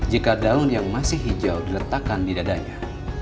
jika daun yang masih hijau diletakkan di dadanya